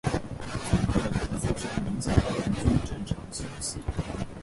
租客的咳嗽声影响到邻居正常休息